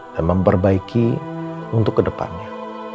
dan memperbaiki untuk kedepannya